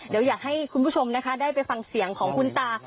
เดี๋ยวอยากให้คุณผู้ชมนะคะได้ไปฟังเสียงของคุณตา